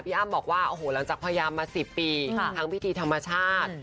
อ้ำบอกว่าโอ้โหหลังจากพยายามมา๑๐ปีทั้งพิธีธรรมชาติ